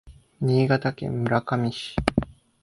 新潟県村上市